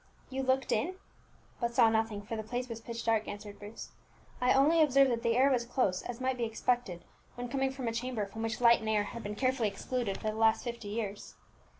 "You looked in?" "But saw nothing, for the place was pitch dark," answered Bruce. "I only observed that the air was close, as might be expected when coming from a chamber from which light and air had been carefully excluded for the last fifty years."